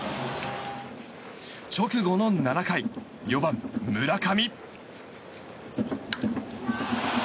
直後の７回、４番の村上。